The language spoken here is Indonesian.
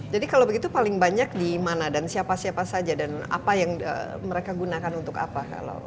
jadi kalau begitu paling banyak di mana dan siapa siapa saja dan apa yang mereka gunakan untuk apa